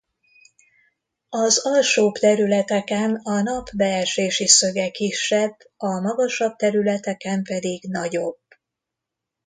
Az alsóbb területeken a nap beesési szöge kisebb a magasabb területeken pedig nagyobb.